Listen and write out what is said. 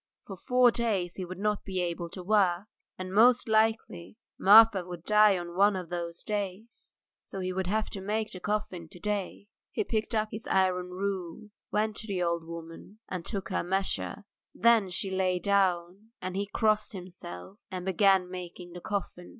For four days he would not be able to work, and most likely Marfa would die on one of those days; so he would have to make the coffin to day. He picked up his iron rule, went up to the old woman and took her measure. Then she lay down, and he crossed himself and began making the coffin.